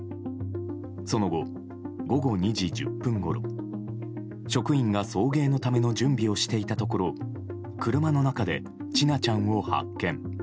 その後、午後２時１０分ごろ職員が送迎のための準備をしていたところ車の中で千奈ちゃんを発見。